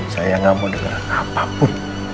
saya nggak mau dengar apapun